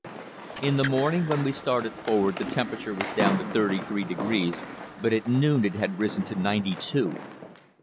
In the morning when we started forward the temperature was down to thirty three degrees, but at noon it had risen to ninety two.